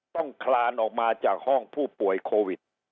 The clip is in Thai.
คลานออกมาจากห้องผู้ป่วยโควิด